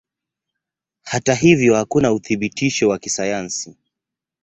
Hata hivyo hakuna uthibitisho wa kisayansi.